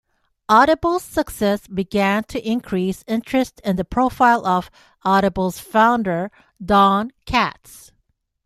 Audible's success began to increase interest in the profile of Audible's founder, Don Katz.